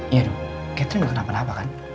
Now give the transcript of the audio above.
iya dok catherine udah kenapa napa kan